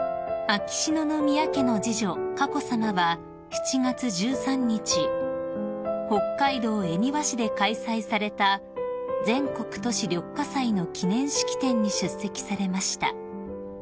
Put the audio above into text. ［秋篠宮家の次女佳子さまは７月１３日北海道恵庭市で開催された全国都市緑化祭の記念式典に出席されました］